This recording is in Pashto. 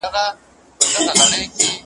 تل خو به حسین لره یزید کربلا نه نیسي ,